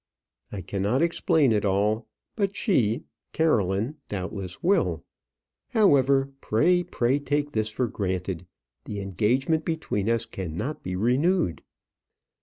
"I cannot explain it all. But she Caroline doubtless will. However, pray, pray take this for granted: the engagement between us cannot be renewed."